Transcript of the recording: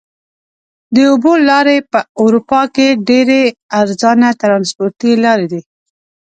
د اوبو لارې په اروپا کې ډېرې ارزانه ترانسپورتي لارې دي.